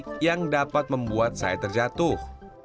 kuda panik yang dapat membuat saya terjatuh